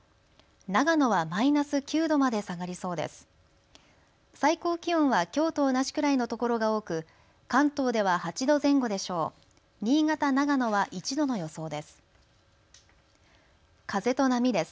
長野はマイナス９度まで下がりそうです。